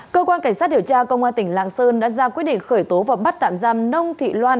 cơ quan cảnh sát điều tra công an tỉnh lạng sơn đã ra quyết định khởi tố và bắt tạm giam nông thị loan